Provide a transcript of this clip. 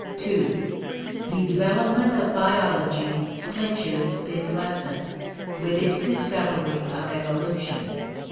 (ii) The development of biology clinches this lesson, with its discovery of evolution.